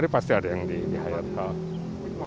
pasti ada yang dihayatkan